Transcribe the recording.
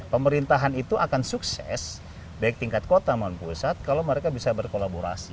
pemerintahan itu akan sukses baik tingkat kota maupun pusat kalau mereka bisa berkolaborasi